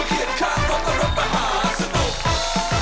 คือเขียนข้างรถและรถมหาสนุก